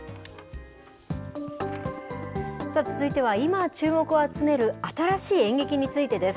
さあ、続いては今注目を集める新しい演劇についてです。